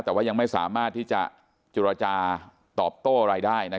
แต่ว่ายังไม่สามารถที่จะจุรจาตอบโต้อะไรได้